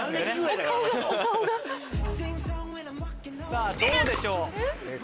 さぁどうでしょう？